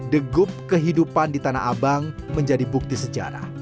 degup kehidupan di tanah abang menjadi bukti sejarah